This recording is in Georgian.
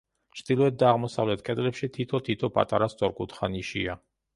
ჩრდილოეთ და აღმოსავლეთ კედლებში თითო-თითო პატარა სწორკუთხა ნიშია.